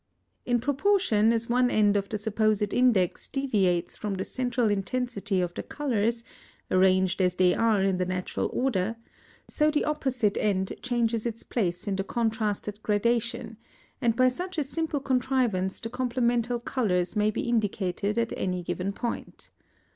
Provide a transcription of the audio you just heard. In proportion as one end of the supposed index deviates from the central intensity of the colours, arranged as they are in the natural order, so the opposite end changes its place in the contrasted gradation, and by such a simple contrivance the complemental colours may be indicated at any given point.